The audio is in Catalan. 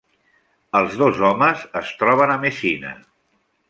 Els dos homes es troben a Messina.